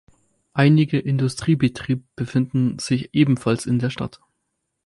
Einige Industriebetrieb befinden sich ebenfalls in der Stadt.